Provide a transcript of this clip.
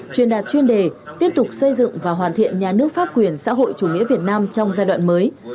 truyền đạt chuyên đề tiếp tục xây dựng và hoàn thiện nhà nước pháp quyền xã hội chủ nghĩa việt nam trong giai đoạn mới